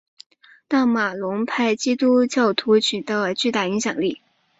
但马龙派基督教徒获得了在全国范围内以及经济上的巨大影响力。